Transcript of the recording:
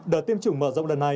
đợt tiêm chủng mở rộng lần này